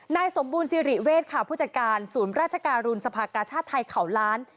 นายสมบูรณ์โซมบูลซิระเวศผู้จัดการศูนย์ราชการ์รุนค์สภากชาติไทยขาวล้าน